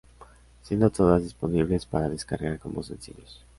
Siendo todas disponibles para descargar como sencillos.